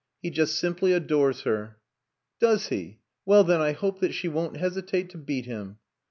"He just simply adores her." "Does he? Well, then, I hope that she won't hesitate to beat him."